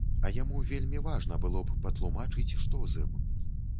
А яму вельмі важна было б патлумачыць, што з ім.